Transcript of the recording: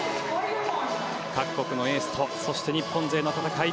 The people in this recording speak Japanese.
各国のエースとそして日本勢の戦い